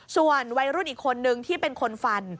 ส่วนวัยรุ่นอีกคนนึงที่เป็นคนฟัน